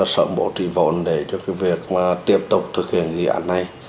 sở bộ trị vốn để cho việc tiếp tục thực hiện dự án này